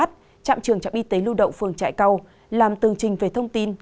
trạm trường trạm y tế lưu động phường trại câu làm tường trình về thông tin